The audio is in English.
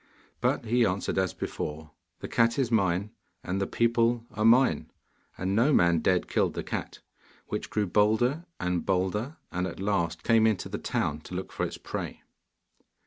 But he answered as before, 'The cat is mine and the people are mine.' And no man dared kill the cat, which grew bolder and bolder, and at last came into the town to look for its prey.